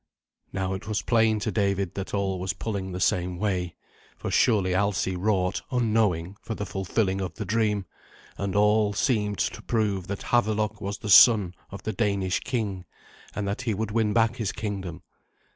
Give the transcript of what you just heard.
Now it was plain to David that all was pulling the same way, for surely Alsi wrought, unknowing, for the fulfilling of the dream; and all seemed to prove that Havelok was the son of the Danish king, and that he would win back his kingdom.